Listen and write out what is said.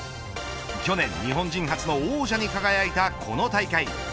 去年日本人初の王者に輝いたこの大会。